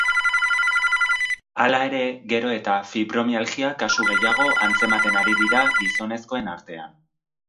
Hala ere, gero eta fibromialgia kasu gehiago antzematen ari dira gizonezkoen artean.